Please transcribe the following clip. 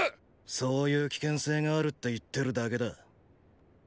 そういう危険性があるって言ってるだけだ。